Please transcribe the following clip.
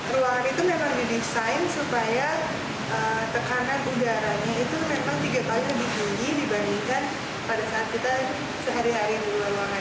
ruangan itu memang didesain supaya tekanan udaranya itu memang tiga kali lebih tinggi dibandingkan